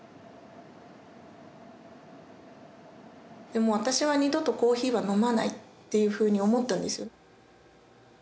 もう私は二度とコーヒーは飲まないっていうふうに思ったんですよね。